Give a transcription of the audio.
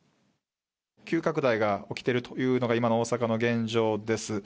急拡大が起きているというのが今の大阪の現状です。